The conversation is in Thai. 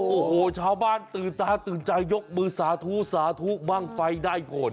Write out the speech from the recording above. โอ้โหชาวบ้านตื่นตาตื่นใจยกมือสาธุสาธุบ้างไฟได้ผล